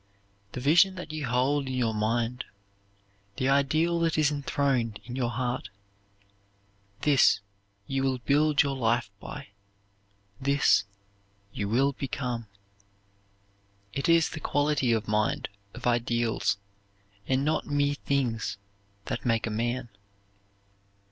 "The vision that you hold in your mind, the ideal that is enthroned in your heart this you will build your life by, this you will become." It is the quality of mind, of ideals, and not mere things, that make a man.